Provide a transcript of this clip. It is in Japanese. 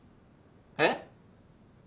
えっ？